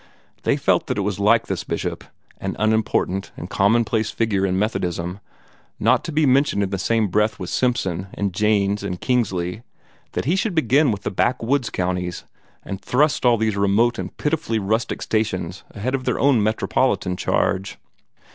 They felt that it was like this Bishop an unimportant and commonplace figure in Methodism, not to be mentioned in the same breath with Simpson and Janes and Kingsley that he should begin with the backwoods counties, and thrust all these remote and pitifully rustic stations ahead of their own metropolitan charge.